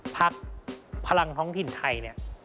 พักพลังท้องถิ่นไทยเนี่ย